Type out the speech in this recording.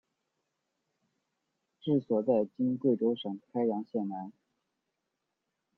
治所在今贵州省开阳县南。